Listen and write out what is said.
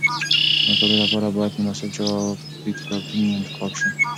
د مطالعې لپاره باید مناسب چاپي کتابونه انتخاب شي.